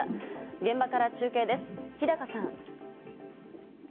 現場から中継です、日高さん。